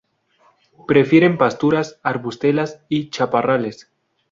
Prefieren pasturas, arbustales y chaparrales.